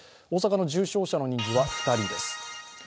大阪の重症者の人数は２人です。